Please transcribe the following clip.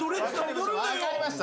分かりました。